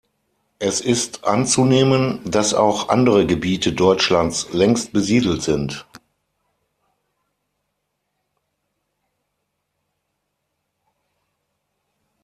Es ist anzunehmen, dass auch andere Gebiete Deutschlands längst besiedelt sind.